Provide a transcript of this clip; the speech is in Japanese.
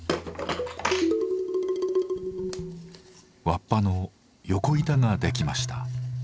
わっぱの横板が出来ました。